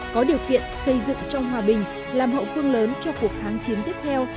có điều kiện xây dựng cho hòa bình làm hậu phương lớn cho cuộc kháng chiến tiếp theo